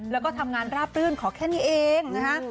แล้วก็ทำงานราบรื่นขอแค่นี้เองนะฮะ